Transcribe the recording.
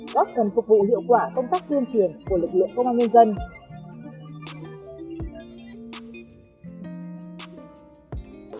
góp phần phục vụ hiệu quả công tác tuyên truyền của lực lượng công an nhân dân